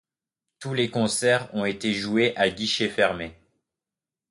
Tous les concerts ont été joués à guichets fermés.